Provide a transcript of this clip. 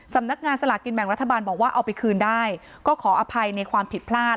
สำนักงานสลากินแบ่งรัฐบาลบอกว่าเอาไปคืนได้ก็ขออภัยในความผิดพลาด